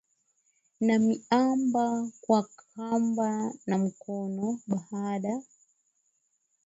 na miamba kwa kamba na mikono Baada